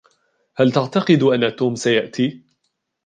هل تعتقد أن توم سيأتي؟